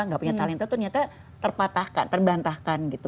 gak punya talenta itu ternyata terpatahkan terbantahkan gitu